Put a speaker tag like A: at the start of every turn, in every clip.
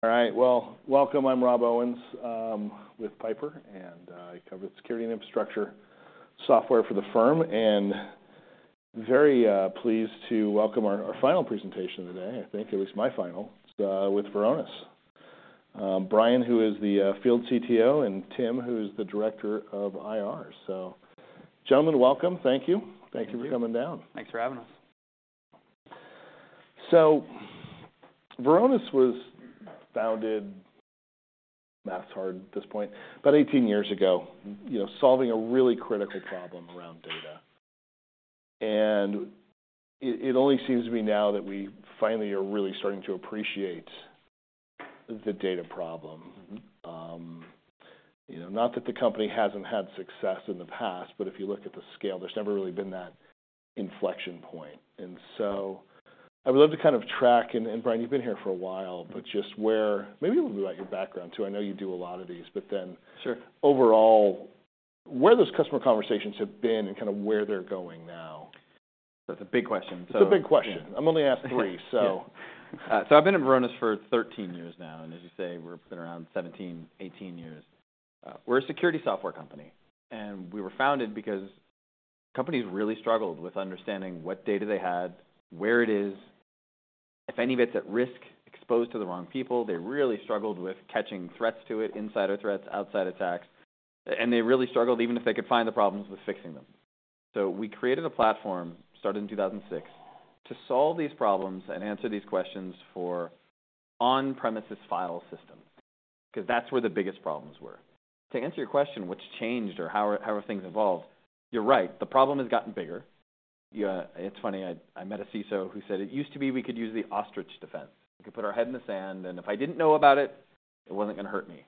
A: All right, well, welcome. I'm Rob Owens with Piper, and I cover the security and infrastructure software for the firm. And very pleased to welcome our final presentation today, I think, at least my final with Varonis. Brian, who is the Field CTO, and Tim, who is the Director of IR. So gentlemen, welcome. Thank you.
B: Thank you.
A: Thank you for coming down.
B: Thanks for having us.
A: Varonis was founded, math's hard at this point, about 18 years ago, you know, solving a really critical problem around data. It only seems to me now that we finally are really starting to appreciate the data problem. You know, not that the company hasn't had success in the past, but if you look at the scale, there's never really been that inflection point. And so I would love to kind of track, and Brian, you've been here for a while, but just where, maybe a little bit about your background, too. I know you do a lot of these, but then.
B: Sure
A: Overall, where those customer conversations have been and kind of where they're going now.
B: That's a big question, so.
A: It's a big question. I'm only asking three, so.
B: Yeah. So I've been at Varonis for 13 years now, and as you say, we've been around 17, 18 years. We're a security software company, and we were founded because companies really struggled with understanding what data they had, where it is, if any of it's at risk, exposed to the wrong people. They really struggled with catching threats to it, insider threats, outside attacks, and they really struggled, even if they could find the problems, with fixing them. So we created a platform, started in 2006, to solve these problems and answer these questions for on-premises file system, 'cause that's where the biggest problems were. To answer your question, what's changed or how are things evolved? You're right, the problem has gotten bigger. Yeah, it's funny, I met a CISO who said, "It used to be we could use the ostrich defense. We could put our head in the sand, and if I didn't know about it, it wasn't gonna hurt me."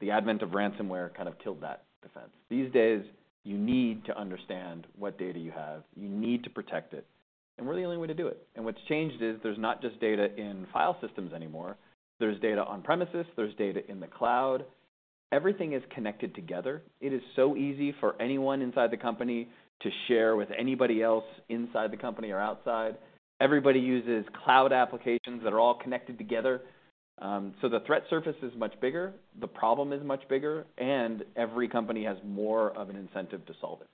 B: The advent of ransomware kind of killed that defense. These days, you need to understand what data you have. You need to protect it, and we're the only way to do it. And what's changed is there's not just data in file systems anymore. There's data on premises, there's data in the cloud. Everything is connected together. It is so easy for anyone inside the company to share with anybody else inside the company or outside. Everybody uses cloud applications that are all connected together. So the threat surface is much bigger, the problem is much bigger, and every company has more of an incentive to solve it.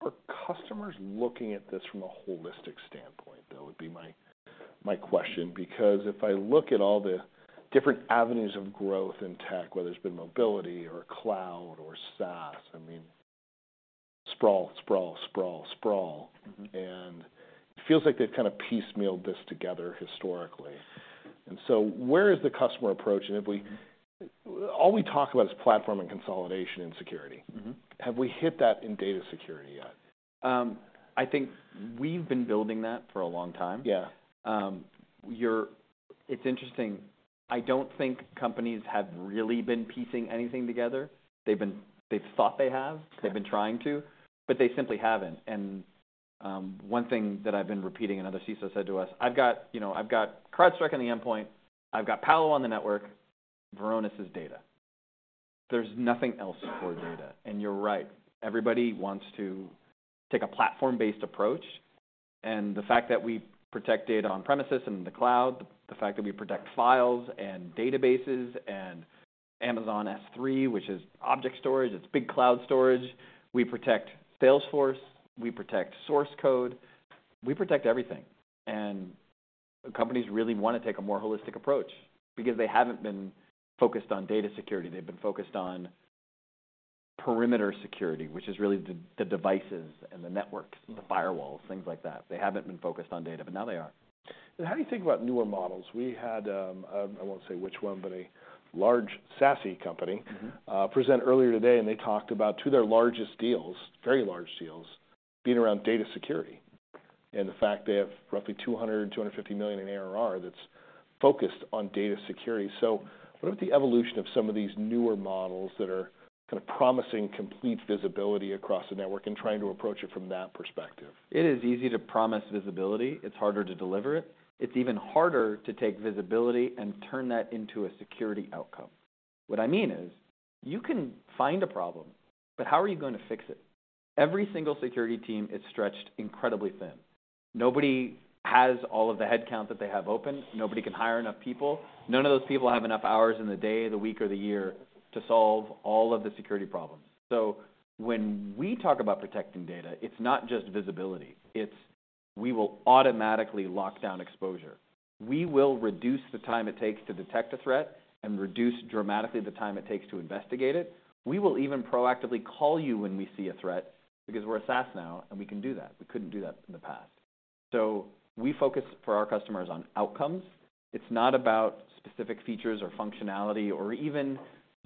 A: Are customers looking at this from a holistic standpoint, though? That would be my question, because if I look at all the different avenues of growth in tech, whether it's been mobility or cloud or SaaS, I mean, sprawl, sprawl, sprawl, sprawl.
B: Mm-hmm.
A: It feels like they've kind of piecemealed this together historically. So where is the customer approach? All we talk about is platform and consolidation in security. Have we hit that in data security yet?
B: I think we've been building that for a long time.
A: Yeah.
B: It's interesting, I don't think companies have really been piecing anything together. They've thought they have, they've been trying to, but they simply haven't. And, one thing that I've been repeating, another CISO said to us, "I've got, you know, I've got CrowdStrike on the endpoint, I've got Palo on the network, Varonis is data." There's nothing else for data. And you're right, everybody wants to take a platform-based approach, and the fact that we protect data on-premises and in the cloud, the fact that we protect files and databases and Amazon S3, which is object storage, it's big cloud storage. We protect Salesforce, we protect source code, we protect everything. And companies really want to take a more holistic approach because they haven't been focused on data security. They've been focused on perimeter security, which is really the devices, and the networks, the firewalls, things like that. They haven't been focused on data, but now they are.
A: And how do you think about newer models? We had, I won't say which one, but a large SASE company present earlier today, and they talked about two of their largest deals, very large deals, being around data security. The fact they have roughly $200-250 million in ARR that's focused on data security. What about the evolution of some of these newer models that are kind of promising complete visibility across the network and trying to approach it from that perspective?
B: It is easy to promise visibility. It's harder to deliver it. It's even harder to take visibility and turn that into a security outcome. What I mean is, you can find a problem, but how are you going to fix it? Every single security team is stretched incredibly thin. Nobody has all of the headcount that they have open. Nobody can hire enough people. None of those people have enough hours in the day, the week, or the year to solve all of the security problems. So when we talk about protecting data, it's not just visibility. It's, we will automatically lock down exposure. We will reduce the time it takes to detect a threat and reduce dramatically the time it takes to investigate it. We will even proactively call you when we see a threat because we're a SaaS now, and we can do that. We couldn't do that in the past. So we focus for our customers on outcomes. It's not about specific features or functionality, or even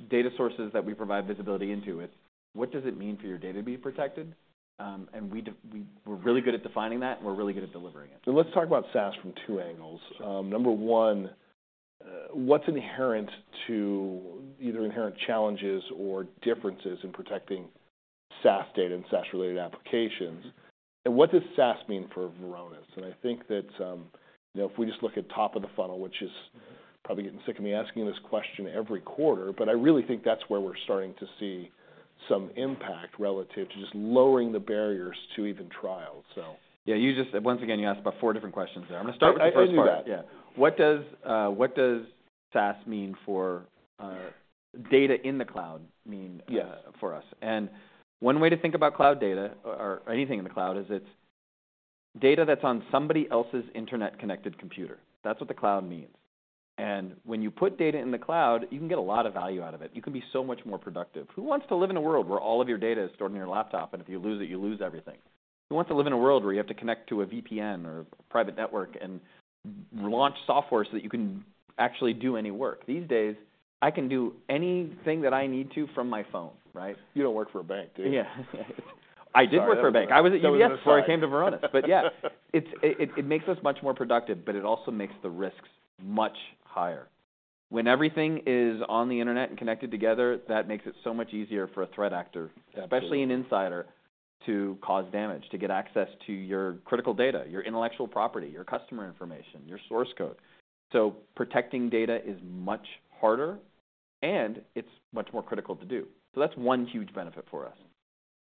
B: data sources that we provide visibility into. It's what does it mean for your data to be protected? And we're really good at defining that, and we're really good at delivering it.
A: Let's talk about SaaS from two angles. Number one, what's inherent to, either inherent challenges or differences in protecting SaaS data and SaaS-related applications? What does SaaS mean for Varonis? I think that, you know, if we just look at top of the funnel, which is probably getting sick of me asking this question every quarter, but I really think that's where we're starting to see some impact relative to just lowering the barriers to even trial, so.
B: Yeah, you just, once again, you asked about four different questions there. I'm gonna start with the first part.
A: I knew that.
B: Yeah. What does SaaS mean for data in the cloud?
A: Yes
B: For us? And one way to think about cloud data or, or anything in the cloud is it's data that's on somebody else's internet-connected computer. That's what the cloud means. And when you put data in the cloud, you can get a lot of value out of it. You can be so much more productive. Who wants to live in a world where all of your data is stored in your laptop, and if you lose it, you lose everything? Who wants to live in a world where you have to connect to a VPN or private network and launch software so that you can actually do any work? These days, I can do anything that I need to from my phone, right?
A: You don't work for a bank, do you?
B: Yeah. I did work for a bank. I was at UBS.
A: That was aside.
B: Before I came to Varonis. But yeah, it makes us much more productive, but it also makes the risks much higher. When everything is on the internet and connected together, that makes it so much easier for a threat actor.
A: Absolutely
B: especially an insider, to cause damage, to get access to your critical data, your intellectual property, your customer information, your source code. So protecting data is much harder, and it's much more critical to do. So that's one huge benefit for us.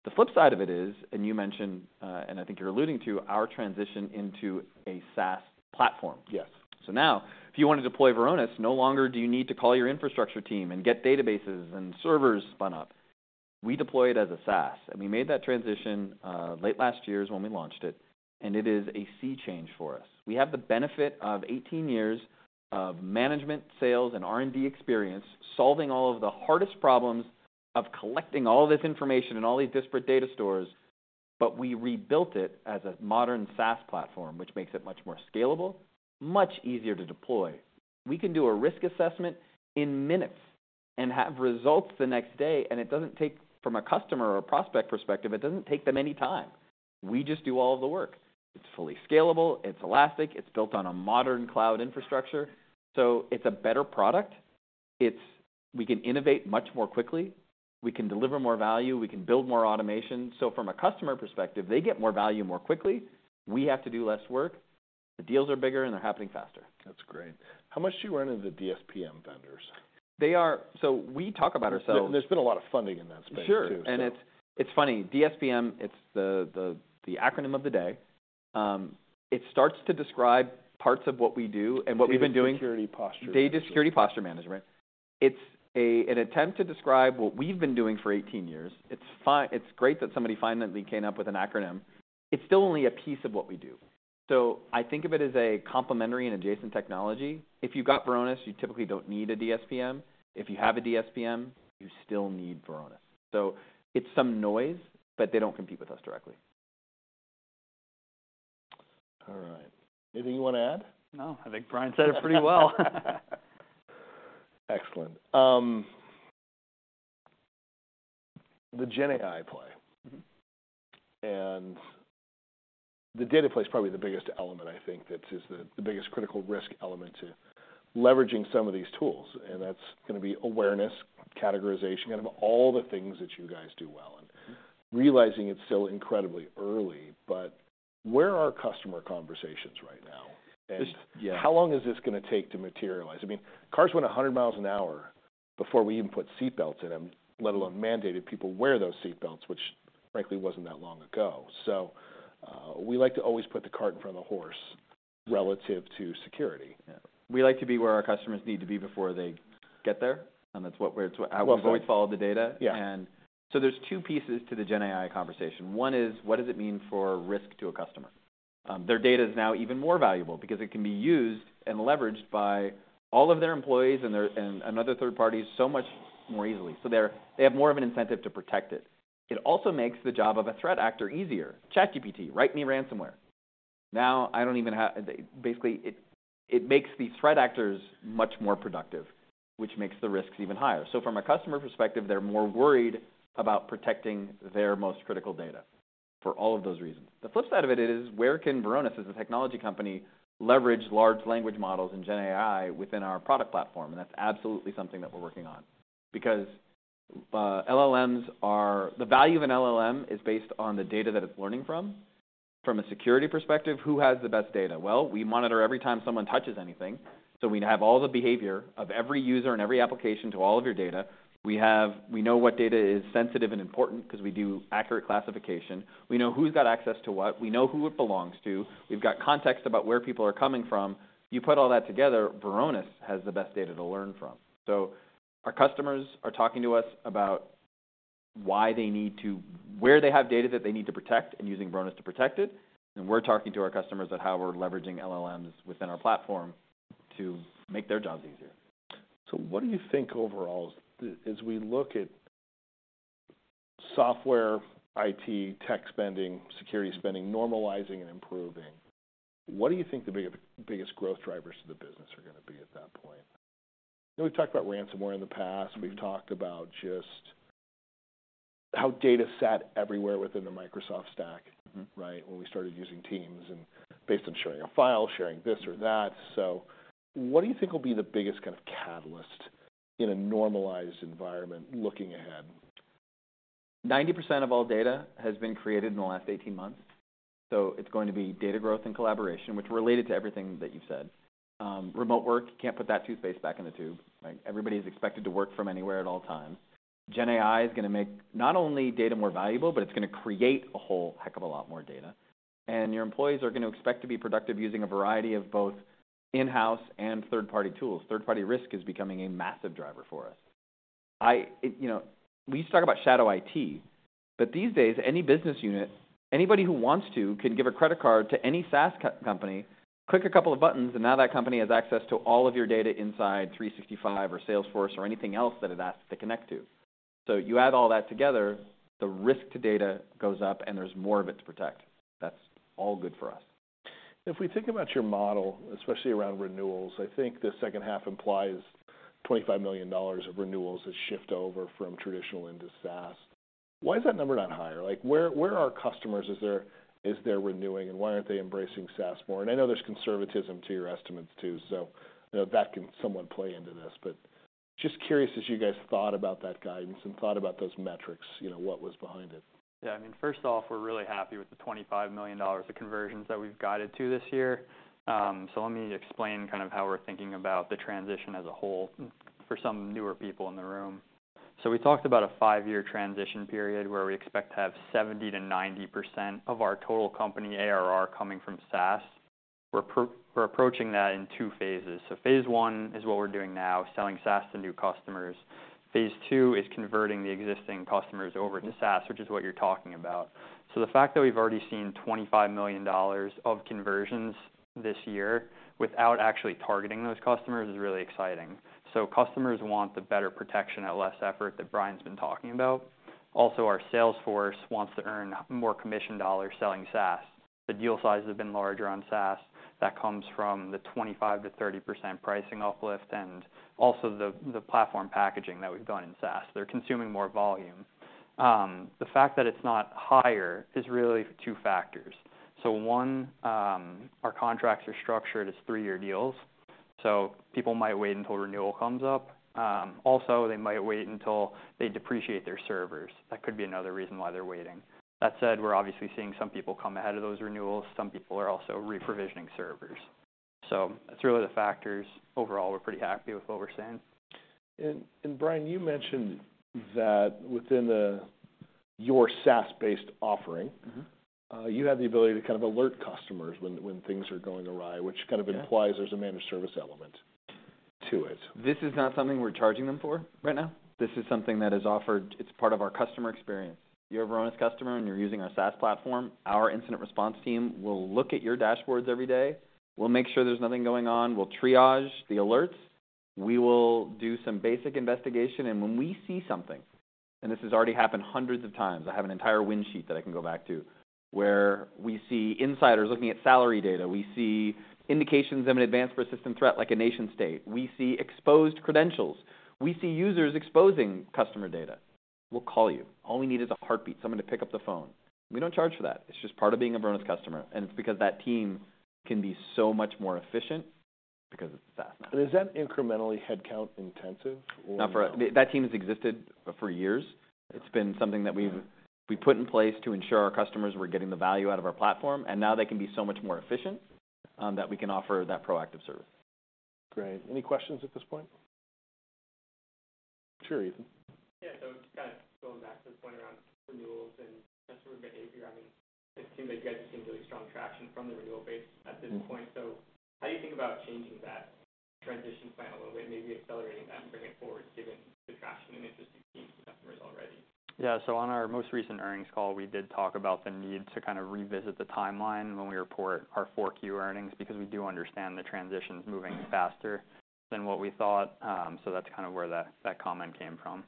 B: The flip side of it is, and you mentioned, and I think you're alluding to, our transition into a SaaS platform.
A: Yes.
B: So now, if you want to deploy Varonis, no longer do you need to call your infrastructure team and get databases and servers spun up. We deploy it as a SaaS, and we made that transition late last year is when we launched it, and it is a sea change for us. We have the benefit of 18 years of management, sales, and R&D experience, solving all of the hardest problems of collecting all this information and all these disparate data stores, but we rebuilt it as a modern SaaS platform, which makes it much more scalable, much easier to deploy. We can do a risk assessment in minutes and have results the next day, and it doesn't take, from a customer or a prospect perspective, it doesn't take them any time. We just do all of the work. It's fully scalable, it's elastic, it's built on a modern cloud infrastructure, so it's a better product. It's, we can innovate much more quickly, we can deliver more value, we can build more automation. So from a customer perspective, they get more value more quickly, we have to do less work, the deals are bigger, and they're happening faster.
A: That's great. How much do you run into the DSPM vendors?
B: They are, so we talk about ourselves.
A: There's been a lot of funding in that space, too.
B: Sure, and it's funny, DSPM, it's the acronym of the day. It starts to describe parts of what we do and what we've been doing.
A: Data Security Posture Management.
B: Data Security Posture Management. It's an attempt to describe what we've been doing for 18 years. It's great that somebody finally came up with an acronym. It's still only a piece of what we do. So I think of it as a complementary and adjacent technology. If you've got Varonis, you typically don't need a DSPM. If you have a DSPM, you still need Varonis. So it's some noise, but they don't compete with us directly.
A: All right. Anything you want to add?
C: No, I think Brian said it pretty well.
A: Excellent. The GenAI play. The data play is probably the biggest element, I think, that is the biggest critical risk element to leveraging some of these tools, and that's gonna be awareness, categorization, kind of all the things that you guys do well. Realizing it's still incredibly early, but where are our customer conversations right now?
B: Yeah.
A: And how long is this gonna take to materialize? I mean, cars went 100 mi an hour before we even put seatbelts in them, let alone mandated people wear those seatbelts, which frankly, wasn't that long ago. So, we like to always put the cart in front of the horse relative to security.
B: Yeah. We like to be where our customers need to be before they get there, and that's what we're.
A: Well said
B: We always follow the data.
A: Yeah.
B: And so there's two pieces to the GenAI conversation. One is, what does it mean for risk to a customer? Their data is now even more valuable because it can be used and leveraged by all of their employees and their, and another third party so much more easily. So they have more of an incentive to protect it. It also makes the job of a threat actor easier. ChatGPT, write me ransomware. Now, I don't even have, basically it makes the threat actors much more productive, which makes the risks even higher. So from a customer perspective, they're more worried about protecting their most critical data for all of those reasons. The flip side of it is, where can Varonis, as a technology company, leverage large language models and GenAI within our product platform? And that's absolutely something that we're working on. Because, LLMs are. The value of an LLM is based on the data that it's learning from. From a security perspective, who has the best data? Well, we monitor every time someone touches anything, so we have all the behavior of every user and every application to all of your data. We know what data is sensitive and important because we do accurate classification. We know who's got access to what, we know who it belongs to. We've got context about where people are coming from. You put all that together, Varonis has the best data to learn from. So our customers are talking to us about why they need to, where they have data that they need to protect, and using Varonis to protect it, and we're talking to our customers about how we're leveraging LLMs within our platform to make their jobs easier.
A: So what do you think overall, as we look at software, IT, tech spending, security spending, normalizing and improving, what do you think the biggest growth drivers of the business are gonna be at that point? We've talked about ransomware in the past. We've talked about just how data sat everywhere within the Microsoft stack. Right? When we started using Teams, and based on sharing a file, sharing this or that. So what do you think will be the biggest kind of catalyst in a normalized environment looking ahead?
B: 90% of all data has been created in the last 18 months. So it's going to be data growth and collaboration, which related to everything that you said. Remote work, you can't put that toothpaste back in the tube, right? Everybody's expected to work from anywhere at all times. GenAI is gonna make not only data more valuable, but it's gonna create a whole heck of a lot more data, and your employees are gonna expect to be productive using a variety of both in-house and third-party tools. Third-party risk is becoming a massive driver for us. You know, we used to talk about shadow IT, but these days, any business unit, anybody who wants to, can give a credit card to any SaaS company, click a couple of buttons, and now that company has access to all of your data inside Microsoft 365 or Salesforce or anything else that it asks to connect to. So you add all that together, the risk to data goes up, and there's more of it to protect. That's all good for us.
A: If we think about your model, especially around renewals, I think the second half implies $25 million of renewals that shift over from traditional into SaaS. Why is that number not higher? Like, where are customers is there, is there renewing, and why aren't they embracing SaaS more? And I know there's conservatism to your estimates, too, so, you know, that can somewhat play into this. But just curious, as you guys thought about that guidance and thought about those metrics, you know, what was behind it?
C: Yeah. I mean, first off, we're really happy with the $25 million of conversions that we've guided to this year. So let me explain kind of how we're thinking about the transition as a whole for some newer people in the room. So we talked about a five year transition period, where we expect to have 70%-90% of our total company ARR coming from SaaS. We're approaching that in two phases. So phase I is what we're doing now, selling SaaS to new customers. Phase II is converting the existing customers over to SaaS, which is what you're talking about. So the fact that we've already seen $25 million of conversions this year without actually targeting those customers is really exciting. So customers want the better protection at less effort that Brian's been talking about. Also, our sales force wants to earn more commission dollars selling SaaS. The deal size has been larger on SaaS. That comes from the 25%-30% pricing uplift and also the platform packaging that we've done in SaaS. They're consuming more volume. The fact that it's not higher is really two factors. So one, our contracts are structured as three-year deals, so people might wait until renewal comes up. Also, they might wait until they depreciate their servers. That could be another reason why they're waiting. That said, we're obviously seeing some people come ahead of those renewals. Some people are also reprovisioning servers. So that's really the factors. Overall, we're pretty happy with what we're seeing.
A: And, Brian, you mentioned that within the, your SaaS-based offering.
B: Mm-hmm.
A: you have the ability to kind of alert customers when, when things are going awry, which kind of/
B: Yeah
A: Implies there's a managed service element to it.
B: This is not something we're charging them for right now. This is something that is offered. It's part of our customer experience. You're a Varonis customer, and you're using our SaaS platform. Our incident response team will look at your dashboards every day. We'll make sure there's nothing going on. We'll triage the alerts. We will do some basic investigation, and when we see something, and this has already happened hundreds of times, I have an entire win sheet that I can go back to, where we see insiders looking at salary data. We see indications of an advanced persistent threat, like a nation state. We see exposed credentials. We see users exposing customer data. We'll call you. All we need is a heartbeat, someone to pick up the phone. We don't charge for that. It's just part of being a Varonis customer, and it's because that team can be so much more efficient because it's SaaS now.
A: Is that incrementally headcount intensive or not?
B: That team has existed for years. It's been something that we've, we put in place to ensure our customers were getting the value out of our platform, and now they can be so much more efficient, that we can offer that proactive service.
A: Great. Any questions at this point? Sure, Ethan.
D: Yeah. So just kind of going back to the point around renewals and customer behavior, I mean, it seems like you guys have seen really strong traction from the renewal base at this point. So how do you think about changing that transition plan a little bit, maybe accelerating that and bringing it forward, given the traction and interest you're seeing from customers already?
C: Yeah. So on our most recent earnings call, we did talk about the need to kind of revisit the timeline when we report our 4Q earnings, because we do understand the transition's moving faster than what we thought. So that's kind of where that comment came from.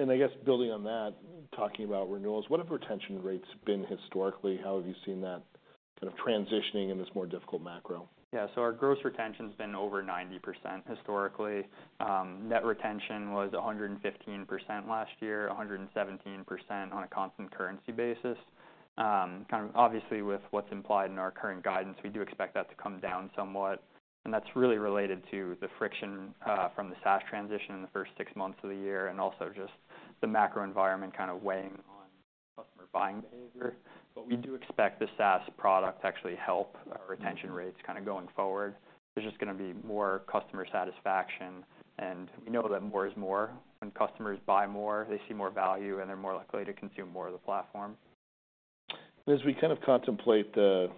A: I guess building on that, talking about renewals, what have retention rates been historically? How have you seen that kind of transitioning in this more difficult macro?
C: Yeah. So our gross retention's been over 90% historically. Net retention was 115% last year, 117% on a constant currency basis. Kind of obviously, with what's implied in our current guidance, we do expect that to come down somewhat, and that's really related to the friction from the SaaS transition in the first six months of the year and also just the macro environment kind of weighing on customer buying behavior. But we do expect the SaaS product to actually help our retention rates kind of going forward. There's just gonna be more customer satisfaction, and we know that more is more. When customers buy more, they see more value, and they're more likely to consume more of the platform.
A: As we kind of contemplate the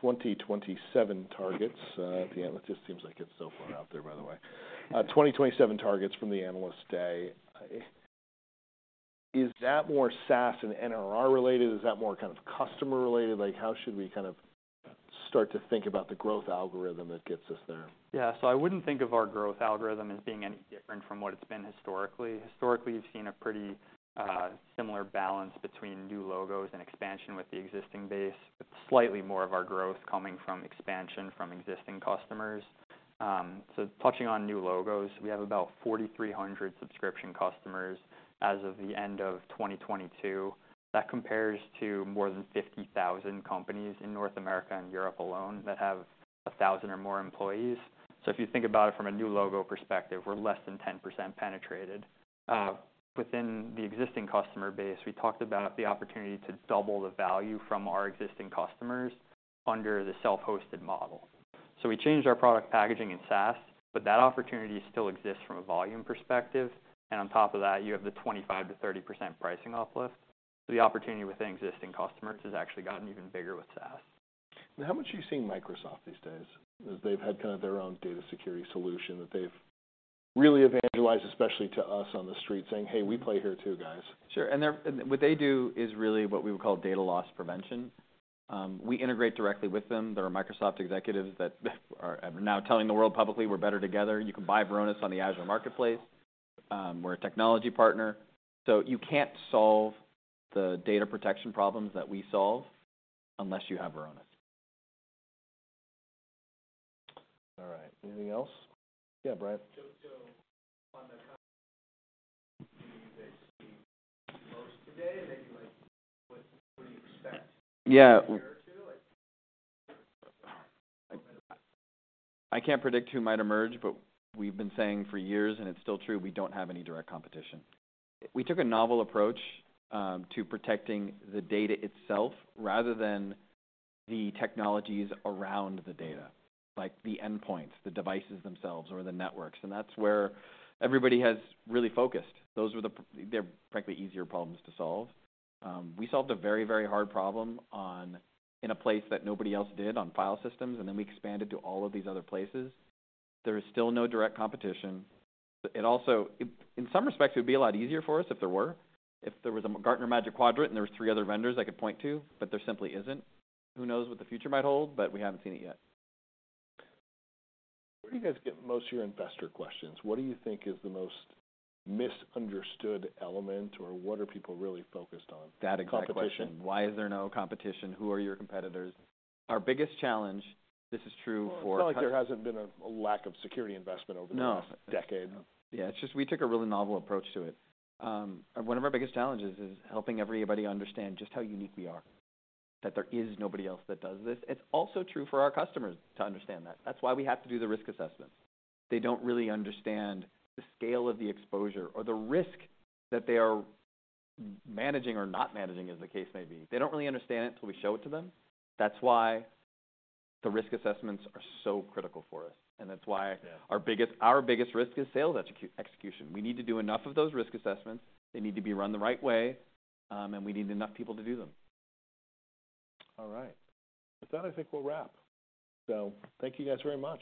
A: 2027 targets, it just seems like it's so far out there, by the way. 2027 targets from the Analyst Day, Is that more SaaS and NRR related? Is that more kind of customer related? Like, how should we kind of start to think about the growth algorithm that gets us there?
C: Yeah, so I wouldn't think of our growth algorithm as being any different from what it's been historically. Historically, we've seen a pretty similar balance between new logos and expansion with the existing base, with slightly more of our growth coming from expansion from existing customers. So touching on new logos, we have about 4,300 subscription customers as of the end of 2022. That compares to more than 50,000 companies in North America and Europe alone that have a 1,000 or more employees. So if you think about it from a new logo perspective, we're less than 10% penetrated. Within the existing customer base, we talked about the opportunity to double the value from our existing customers under the self-hosted model. So we changed our product packaging in SaaS, but that opportunity still exists from a volume perspective. And on top of that, you have the 25%-30% pricing uplift. So the opportunity with the existing customers has actually gotten even bigger with SaaS.
A: How much are you seeing Microsoft these days? Because they've had kind of their own data security solution that they've really evangelized, especially to us on the street, saying, "Hey, we play here too, guys.
B: Sure, and what they do is really what we would call data loss prevention. We integrate directly with them. There are Microsoft executives that are now telling the world publicly, "We're better together." You can buy Varonis on the Azure Marketplace. We're a technology partner, so you can't solve the data protection problems that we solve unless you have Varonis. All right, anything else? Yeah, Brian? Yeah. I can't predict who might emerge, but we've been saying for years, and it's still true, we don't have any direct competition. We took a novel approach to protecting the data itself, rather than the technologies around the data, like the endpoints, the devices themselves, or the networks, and that's where everybody has really focused. Those were they're frankly easier problems to solve. We solved a very, very hard problem on in a place that nobody else did, on file systems, and then we expanded to all of these other places. There is still no direct competition. It also, it in some respects, it would be a lot easier for us if there were, if there was a Gartner Magic Quadrant, and there were three other vendors I could point to, but there simply isn't. Who knows what the future might hold, but we haven't seen it yet.
A: Where do you guys get most of your investor questions? What do you think is the most misunderstood element, or what are people really focused on?
B: That exact question.
A: Competition?
B: Why is there no competition? Who are your competitors? Our biggest challenge, this is true for.
A: Well, it's not like there hasn't been a lack of security investment over the decade.
B: No, Yeah, it's just we took a really novel approach to it. One of our biggest challenges is helping everybody understand just how unique we are, that there is nobody else that does this. It's also true for our customers to understand that. That's why we have to do the risk assessment. They don't really understand the scale of the exposure or the risk that they are managing or not managing, as the case may be. They don't really understand it until we show it to them. That's why the risk assessments are so critical for us, and that's why.
A: Yeah
B: Our biggest, our biggest risk is sales execution. We need to do enough of those risk assessments. They need to be run the right way, and we need enough people to do them.
A: All right. With that, I think we'll wrap. So thank you guys very much.